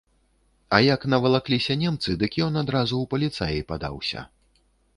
А як навалакліся немцы, дык ён адразу ў паліцаі падаўся.